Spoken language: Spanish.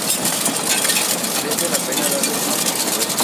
Merece la pena darles una oportunidad.